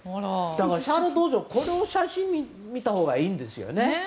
だからシャーロット王女はこの写真を見たほうがいいんですよね。